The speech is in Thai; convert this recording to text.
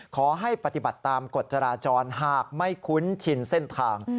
ขอให้ปฏิบัติตามกฎจราจรหากไม่คุ้นชินเส้นทาง